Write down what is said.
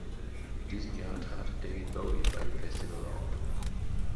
In diesem Jahr trat David Bowie bei dem Festival auf.